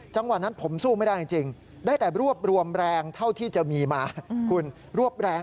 จังหวะนั้นผมสู้ไม่ได้จริงได้แต่รวบรวมแรงเท่าที่จะมีมาคุณรวบแรง